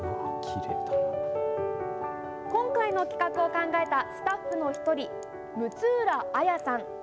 今回の企画を考えたスタッフの１人、六浦文さん。